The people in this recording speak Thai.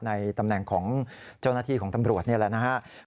ในตำแหน่งของเจ้าหน้าที่ของตำรวจนี่แหละนะครับ